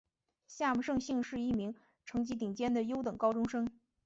夏木胜幸是一名成绩顶尖的优等高中生。